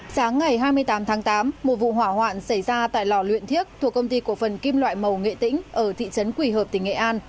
sáng ngày hai mươi tám tháng tám một vụ hỏa hoạn xảy ra tại lò luyện thiếc thuộc công ty cổ phần kim loại màu nghệ tĩnh ở thị trấn quỳ hợp tỉnh nghệ an